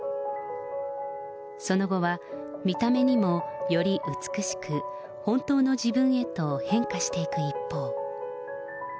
その後は、見た目にもより美しく、本当の自分へと変化していく一方。